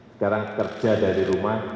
sekarang kerja dari rumah